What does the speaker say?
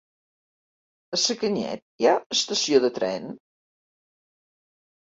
A Sacanyet hi ha estació de tren?